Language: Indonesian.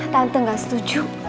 tante gak setuju